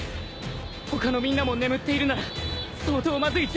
他のみんなも眠っているなら相当まずい状況だ。